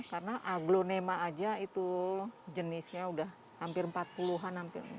karena aglonema aja itu jenisnya udah hampir empat puluhan